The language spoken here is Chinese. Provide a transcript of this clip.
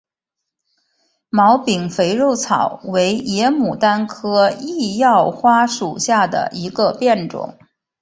毛柄肥肉草为野牡丹科异药花属下的一个变种。